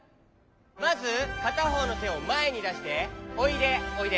まずかたほうのてをまえにだして「おいでおいで」。